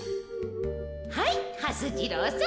はいはす次郎さん。